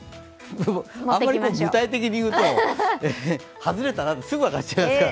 あまり具体的に言うと、外れたなとすぐ分かっちゃいますから。